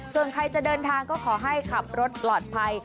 ส่วนใครจะเดินทางก็ขอให้ขับรถปลอดภัย